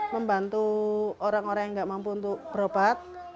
membantu orang orang yang nggak mampu untuk berobat